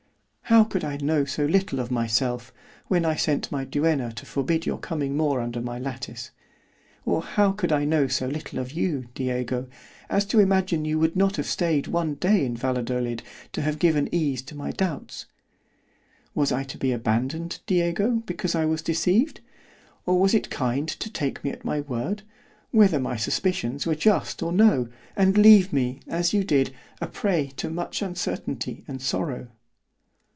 "How could I know so little of myself, when I sent my Duenna to forbid your coming more under my lattice? or how could I know so little of you, Diego, as to imagine you would not have staid one day in Valadolid to have given ease to my doubts?—Was I to be abandoned, Diego, because I was deceived? or was it kind to take me at my word, whether my suspicions were just or no, and leave me, as you did, a prey to much uncertainty and sorrow?